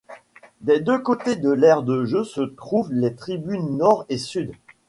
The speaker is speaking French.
Des deux côtés de l'aire de jeu se trouvent les tribunes Nord et Sud.